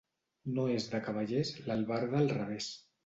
No és de cavallers l'albarda al revés.